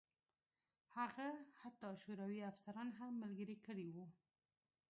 هغه حتی شوروي افسران هم ملګري کړي وو